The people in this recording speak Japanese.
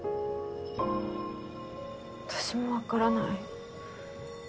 私もわからない。